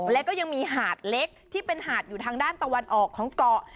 แล้วก็ยังมีหาดเล็กที่เป็นหาดอยู่ทางด้านตะวันออกของเกาะ